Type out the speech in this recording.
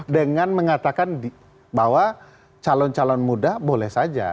dengan mengatakan bahwa calon calon muda boleh saja